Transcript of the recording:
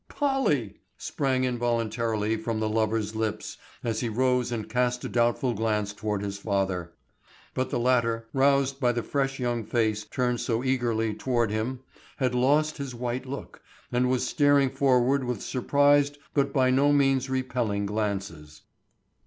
"Polly!" sprang involuntarily from the lover's lips, as he rose and cast a doubtful glance toward his father. But the latter, roused by the fresh young face turned so eagerly toward him, had lost his white look, and was staring forward with surprised but by no means repelling glances.